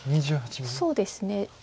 そうですね。